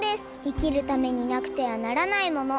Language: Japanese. いきるためになくてはならないもの。